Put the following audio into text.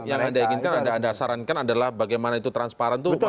jadi yang anda sarankan adalah bagaimana itu transparan